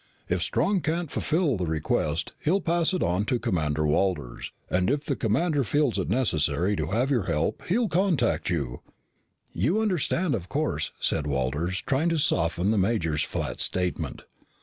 If Strong can't fulfill the request, he'll pass it on to Commander Walters, and if the commander feels it necessary to have your help, he will contact you." "You understand, of course," said Walters, trying to soften the major's flat statement.